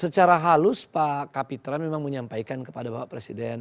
secara halus pak kapitra memang menyampaikan kepada bapak presiden